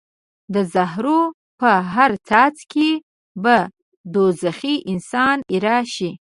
د زهرو په هر څاڅکي به دوزخي انسان ایره شي.